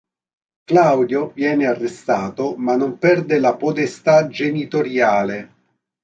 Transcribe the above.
Claudio viene arrestato ma non perde la potestà genitoriale.